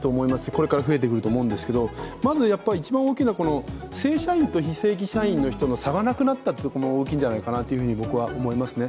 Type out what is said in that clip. これから増えてくると思うんですけど、まず一番大きな正社員と非正規社員の人の差がなくなったのが大きいんじゃないかなと僕は思いますね。